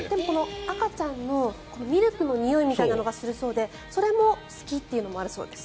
赤ちゃんのミルクのにおいみたいなのがするそうでそれも好きっていうのもあるそうです。